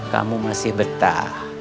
kamu masih betah